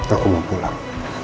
aku mau pulang